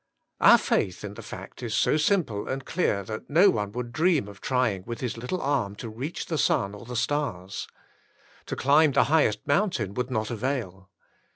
Our faith in the fact is so simple and clear that no one would dream of trying with his little arm to reach the sun or the stars. To climb the highest mountain would not avail.